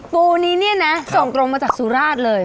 ปูนี้เนี่ยนะส่งตรงมาจากสุราชเลย